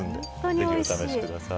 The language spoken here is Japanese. ぜひお試しください。